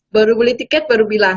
baru beli tiket baru bilang